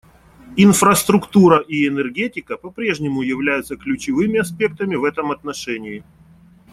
Инфраструктура и энергетика по-прежнему являются ключевыми аспектами в этом отношении.